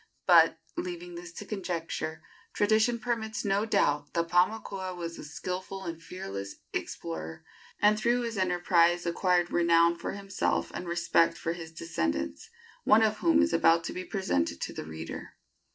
But, leaving this to conjecture, tradition permits no doubt that Paumakua was a skilful and fearless explorer, and through his enterprise acquired renown for himself and respect for his descendants, one of whom is about to be presented to the reader.